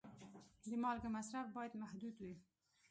د مالګې مصرف باید محدود وي.